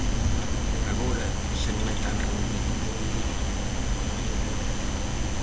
Agora xa non é tan rendible.